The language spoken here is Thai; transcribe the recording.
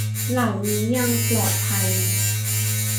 เหล่านี้ยังปลอดภัย